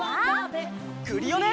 クリオネ！